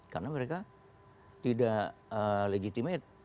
karena mereka tidak legitimate